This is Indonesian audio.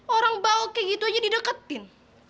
orang bau kayak gitu aja dideketin